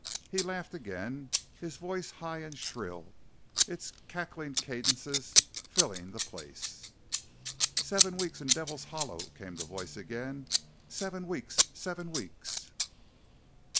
He laughed again, his voice high and shrill, its cackling cadences filling the place. "Seven weeks in Devil's Hollow!" came the voice again. "Seven weeks! Seven weeks!"